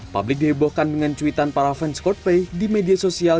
publik dihebohkan dengan cuitan para fans coldplay di media sosial